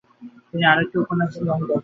তিনি আরও একটি উপন্যাস "ইয়ং ডঃ গস"এ হাত দেন।